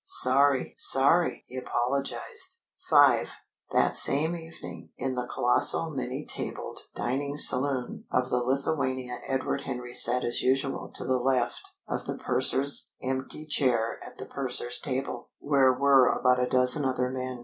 "Sorry! Sorry!" he apologised. V. That same evening, in the colossal many tabled dining saloon of the Lithuania Edward Henry sat as usual to the left of the purser's empty chair at the purser's table, where were about a dozen other men.